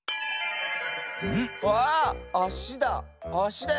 わああしだ。